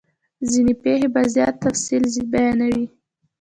ځیني پیښې په زیات تفصیل بیانوي.